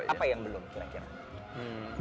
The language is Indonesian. apa yang belum kira kira